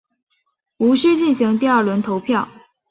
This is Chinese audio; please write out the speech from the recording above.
无须进行第二轮投票。